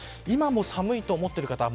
今も寒いと思っている方